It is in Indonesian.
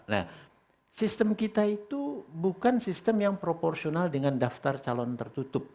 nah sistem kita itu bukan sistem yang proporsional dengan daftar calon tertutup